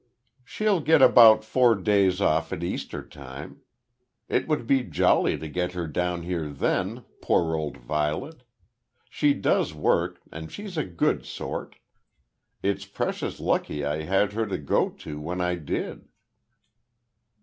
"She'll get about four days off at Easter time. It would be jolly to get her down here then, poor old Violet. She does work, and she's a good sort. It's precious lucky I had her to go to when I did."